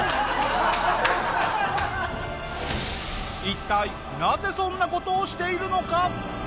一体なぜそんな事をしているのか？